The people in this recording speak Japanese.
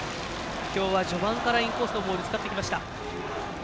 今日は序盤からインコースのボールを使ってきました。